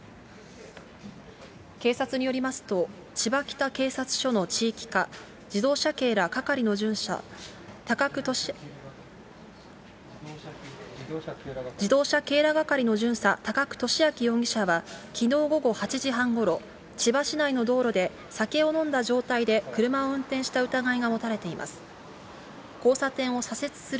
警察によりますと、千葉北警察署の地域課、自動車警ら係の巡査、自動車警ら係の巡査、高久利明容疑者はきのう午後８時半ごろ、千葉市内の道路で酒を飲んで車を運転した疑いが持たれています。